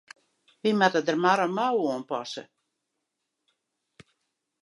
We moatte der mar in mouwe oan passe.